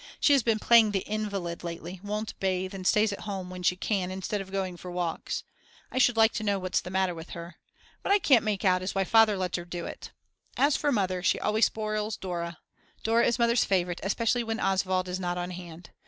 She has been playing the invalid lately, won't bathe, and stays at home when she can instead of going for walks. I should like to know what's the matter with her. What I can't make out is why Father lets her do it. As for Mother, she always spoils Dora; Dora is Mother's favourite, especially when Oswald is not on hand.